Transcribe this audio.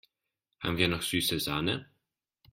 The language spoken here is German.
Haben wir noch süße Sahne?